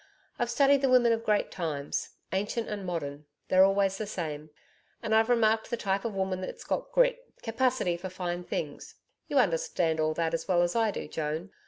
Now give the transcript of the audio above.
I've studied the women of great times ancient and modern they're always the same and I've remarked the type of woman that's got grit capacity for fine things You understand all that as well as I do, Joan.